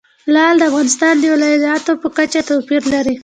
لعل د افغانستان د ولایاتو په کچه توپیر لري.